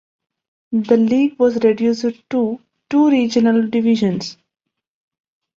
The league was reduced to two regional divisions.